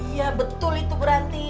iya betul itu berarti